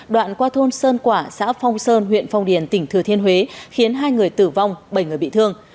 đoạn qua thôn sơn quả xã phong sơn huyện phong điền tỉnh thừa thiên huế khiến hai người tử vong bảy người bị thương